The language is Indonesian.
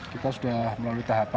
kita sudah melalui tahapan